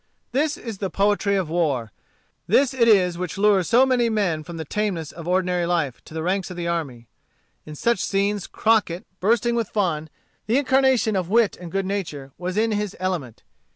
This is the poetry of war. This it is which lures so many from the tameness of ordinary life to the ranks of the army. In such scenes, Crockett, bursting with fun, the incarnation of wit and good nature, was in his element.